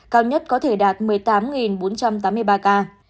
cao nhất có thể đạt một mươi tám bốn trăm tám mươi ba ca